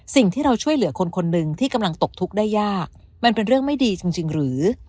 สิ่งที่เราช่วยเหลือคนคนหนึ่งที่กำลังตกทุกข์ได้ยากมันเป็นเรื่องไม่ดีจริงหรือ